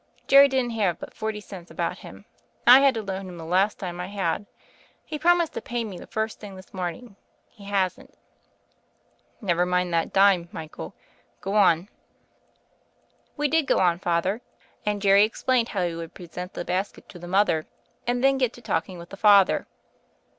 Jerry didn't have but forty cents about him, and I had to loan him the last dime I had. He promised to pay me the first thing this morning; he hasn't." "Never mind that dime, Michael. Go on." "We did go on, Father ; and Jerry explained how he would present the basket to the mother, and then get to talking with the father.